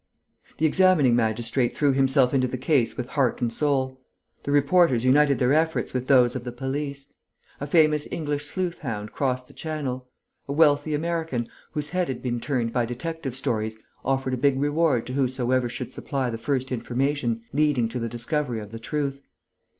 The examining magistrate threw himself into the case with heart and soul. The reporters united their efforts with those of the police. A famous English sleuth hound crossed the Channel. A wealthy American, whose head had been turned by detective stories, offered a big reward to whosoever should supply the first information leading to the discovery of the truth.